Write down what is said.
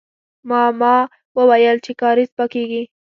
ما، ما ويل چې کارېز پاکيږي.